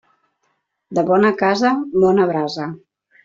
De bona casa, bona brasa.